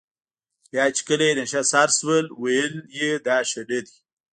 بیا چې کله یې نشه سر شول ویل یې دا ښه نه دي.